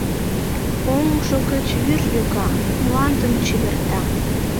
Оҥжо гыч вӱр йога, мландым чеверта.